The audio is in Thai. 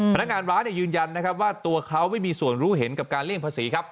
พนักงานร้านยืนยันนะครับว่าตัวเขาไม่มีส่วนรู้เห็นกับการเลี่ยงภาษีครับ